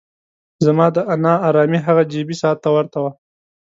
زما دا نا ارامي هغه جیبي ساعت ته ورته وه.